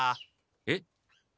えっ？